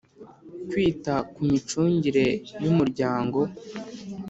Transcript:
Kwita ku micungire y Umuryango